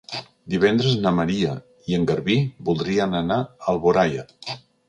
Divendres na Maria i en Garbí voldrien anar a Alboraia.